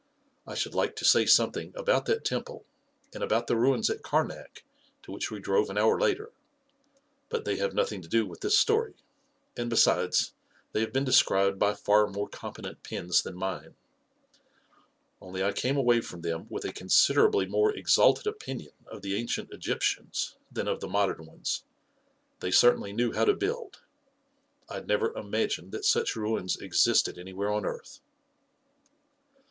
I should like to say something about that temple, and about the ruins at Karnak, to which we drove an hour later; but they have nothing to do with this story, and besides they have been described by far more competent pens than mine ; only I came away from them with a considerably more exalted opinion of the ancient Egyptians than of the modern ones, 'f hey certainly knew how to build 1 I had never im ioi A KING IN BABYLON agined that such ruins existed anywhere on earth •